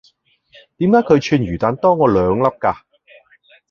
點解佢串魚蛋多我兩粒㗎?